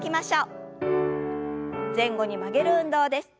前後に曲げる運動です。